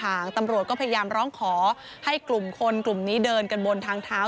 ตำรวจก็พยายามร้องขอให้กลุ่มคนกลุ่มนี้เดินกันบนทางเท้า